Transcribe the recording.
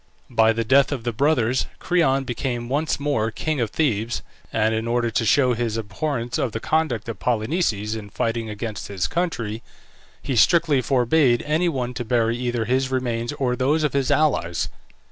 By the death of the brothers, Creon became once more king of Thebes, and in order to show his abhorrence of the conduct of Polynices in fighting against his country, he strictly forbade any one to bury either his remains or those of his allies.